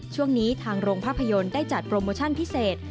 ช่วงนี้ทางโรงภาพยนตร์ได้จัดโปรโมชั่นพิเศษ